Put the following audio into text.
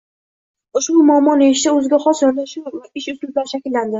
Ushbu muammoni yechishda o‘ziga xos yondashuv va ish uslublari shakllandi.